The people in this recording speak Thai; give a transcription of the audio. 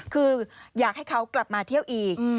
คืออยากให้เขากลับมาเที่ยวอีก